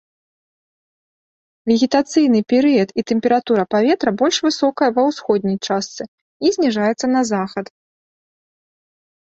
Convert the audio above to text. Вегетацыйны перыяд і тэмпература паветра больш высокая ва ўсходняй частцы і зніжаецца на захад.